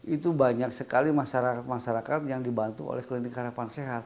itu banyak sekali masyarakat masyarakat yang dibantu oleh klinik harapan sehat